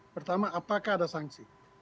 pertama apakah ada saksi